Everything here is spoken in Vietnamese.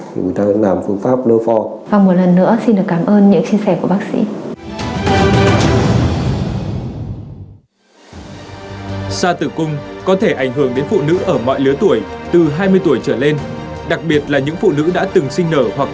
thì người ta làm phương pháp lơ pho